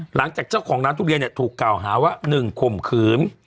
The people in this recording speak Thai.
หลังจากเจ้าของร้านทุเรียนเนี้ยถูกเก่าหาว่าหนึ่งคมคื๋ม